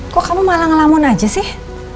kok kamu malah ngelamun aja sih